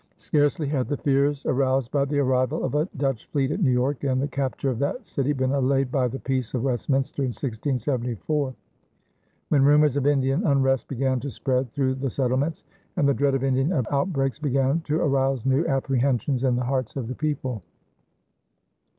Scarcely had the fears aroused by the arrival of a Dutch fleet at New York and the capture of that city been allayed by the peace of Westminster in 1674, when rumors of Indian unrest began to spread through the settlements, and the dread of Indian outbreaks began to arouse new apprehensions in the hearts of the people.